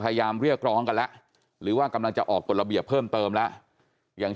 พยายามเรียกกร้องกันและหรือว่ากำลังจะออกปรบเพิ่มเติมและอย่าง